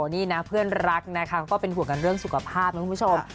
นี่นะเพื่อนรักนะคะก็เป็นห่วงกันเรื่องสุขภาพนะคุณผู้ชม